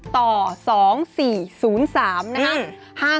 ต่อ๒๔๐๓นะคะ